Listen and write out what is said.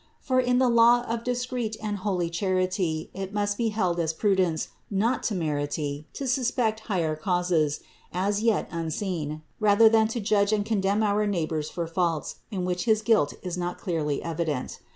For in the law of discreet and holy charity it must be held as prudence, not temerity, to suspect higher causes, as yet unseen, rather than to judge and condemn our neighbors for faults in which his guilt is not clearly evident.